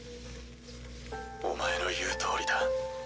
お前の言うとおりだ。